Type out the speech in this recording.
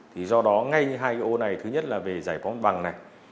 thì do đó ngay hai ô này thứ nhất là về giải phóng bằng này